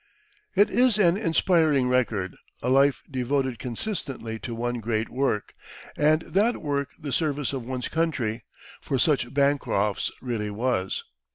It is an inspiring record a life devoted consistently to one great work, and that work the service of one's country, for such Bancroft's really was.